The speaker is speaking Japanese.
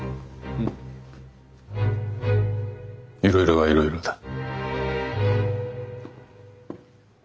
いろいろはいろいろだ。